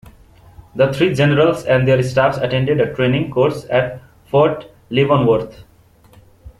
The three generals and their staffs attended a training course at Fort Leavenworth.